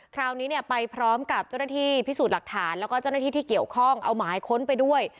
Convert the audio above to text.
คราวนี้เนี่ยไปพร้อมกับเจ้าหน้าที่พิสูจน์หลักฐานแล้วก็เจ้าหน้าที่ที่เกี่ยวข้องเอาหมายค้นไปด้วย